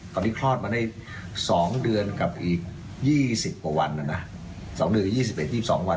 ตอนนี้คลอดมาได้สองเดือนกับอีกยี่สิบกว่าวันน่ะน่ะสองเดือนกับยี่สิบไปยี่สิบสองวัน